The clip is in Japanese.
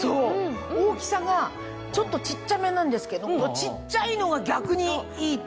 大きさがちょっと小っちゃめなんですけどこの小っちゃいのが逆にいいっていうか。